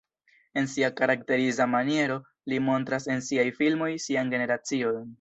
En sia karakteriza maniero li montras en siaj filmoj sian generacion.